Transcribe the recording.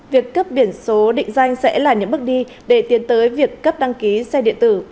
việc cấp biển số định danh sẽ là những bước đi để tiến tới việc cấp đăng ký xe điện tử